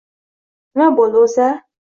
Nima bo‘ldi o‘zi a?